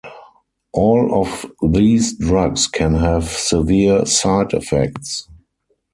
All of these drugs can have severe side effects.